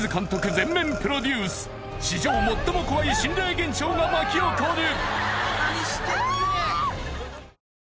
全面プロデュース史上最も怖い心霊現象が巻き起こる！